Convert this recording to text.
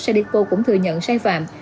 sadeco cũng thừa nhận sai phạm